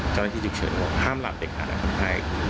เจ้าหน้าที่จึกเฉินบอกว่าห้ามหลับเด็กขาดนะครับไทย